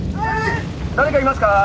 誰かいますか？